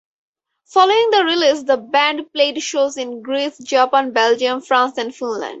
Following the release, the band played shows in Greece, Japan, Belgium, France and Finland.